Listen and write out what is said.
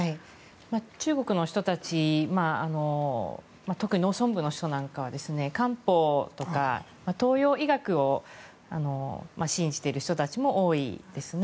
中国の人たち特に農村部の人なんかは漢方とか東洋医学を信じている人たちも多いですね。